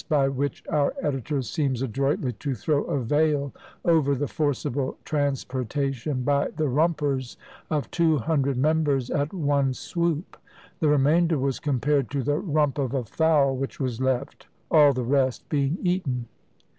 by which our editor seems adroitly to throw a veil over the forcible transportation by the Rumpers of two hundred members at one swoop, "the remainder was compared to the rump of a fowl which was left, all the rest being eaten."